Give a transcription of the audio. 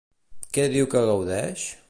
Què diu que gaudeix?